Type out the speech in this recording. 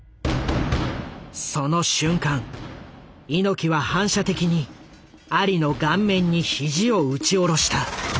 その瞬間猪木は反射的にアリの顔面にヒジを打ち下ろした。